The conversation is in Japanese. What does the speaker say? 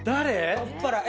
酔っぱらい。